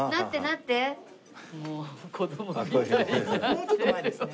もうちょっと前ですね。